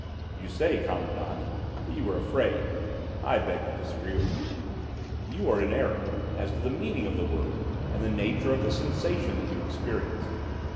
"You say, commandant, that you were afraid. I beg to disagree with you. You are in error as to the meaning of the word and the nature of the sensation that you experienced.